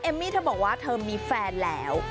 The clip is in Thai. มี่เธอบอกว่าเธอมีแฟนแล้ว